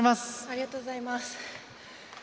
ありがとうございます。